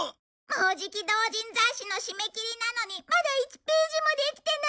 もうじき同人雑誌の締め切りなのにまだ１ページもできてないの！